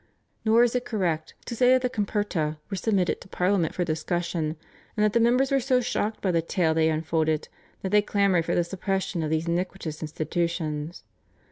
Nor is it correct to say that the /Comperta/ were submitted to Parliament for discussion, and that the members were so shocked by the tale they unfolded that they clamoured for the suppression of these iniquitous institutions.